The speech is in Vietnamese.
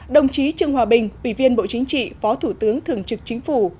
đồng chí trương hòa bình ủy viên bộ chính trị phó thủ tướng thường trực chính phủ